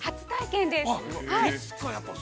◆初体験です。